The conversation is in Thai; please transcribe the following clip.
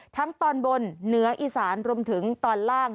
ตอนบนเหนืออีสานรวมถึงตอนล่าง